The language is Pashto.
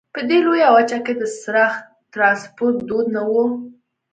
په دې لویه وچه کې د څرخ ټرانسپورت دود نه وو.